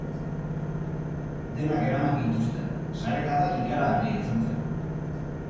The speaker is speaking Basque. Denak eraman gintuzten, sarekada ikaragarria izan zen.